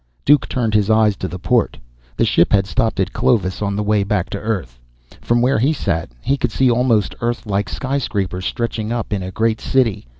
Duke turned his eyes to the port. The ship had stopped at Clovis on the way back to Earth. From where he sat, he could see almost Earth like skyscrapers stretching up in a great city.